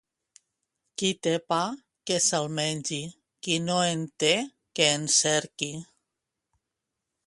Qui té pa, que se'l mengi, qui no en té, que en cerqui.